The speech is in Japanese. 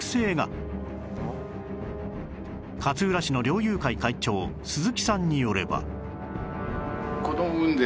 勝浦市の猟友会会長鈴木さんによれば